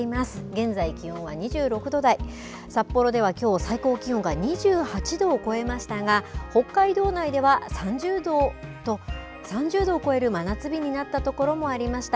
現在気温は２６度台、札幌ではきょう、最高気温が２８度を超えましたが、北海道内では３０度を超える真夏日になった所もありました。